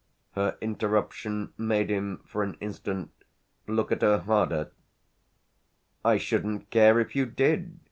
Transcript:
Her interruption made him for an instant look at her harder. "I shouldn't care if you did!"